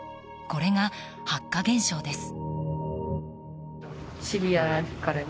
これが白化現象です。